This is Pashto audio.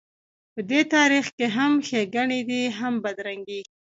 په دې تاریخ کې هم ښېګڼې دي هم بدرنګۍ.